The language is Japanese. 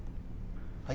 はい？